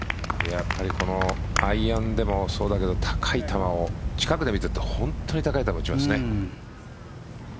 今日のアイアンでもそうだけど近くで見ていると本当に高い球を打ちますね。